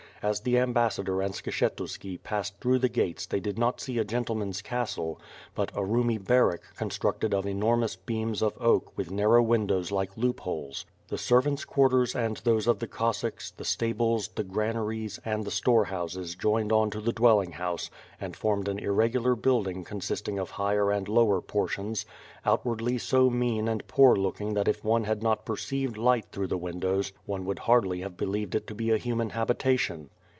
As the ambassadoi and Skshetuski passed through the gates they did not eee a gentleman's castle, but a roomy barrack constructed of enormous beams of oak with narrow windows like loopholes. The servants' quarters and those of the Cossacks, the stables, the granaries, and the store houses joined on to the dwelling house and formed an irregular building consisting of higher and lower portions, outwardly so mean and poor looking that if one had not per ceived light through the windows, one would hardly have believed it to be a human habitation.